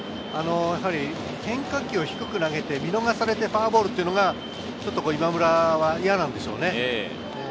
変化球を低く投げて見逃されてフォアボールが今村は嫌なのでしょうね。